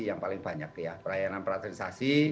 yang paling banyak ya pelayanan peradansasi